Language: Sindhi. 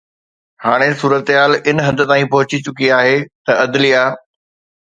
هاڻي صورتحال ان حد تائين پهچي چڪي آهي ته عدليه